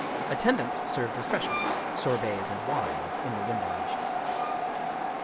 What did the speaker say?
Attendants served refreshments, sorbets and wines in the window niches.